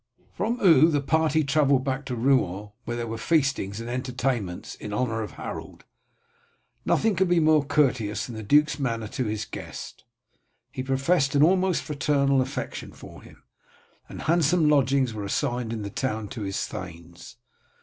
From Eu the party travelled back to Rouen where there were feastings and entertainments in honour of Harold. Nothing could be more courteous than the duke's manner to his guest. He professed an almost fraternal affection for him, and handsome lodgings were assigned in the town to his thanes.